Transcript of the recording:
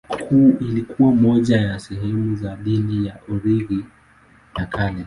Ilikuwa moja ya sehemu za dini ya Ugiriki ya Kale.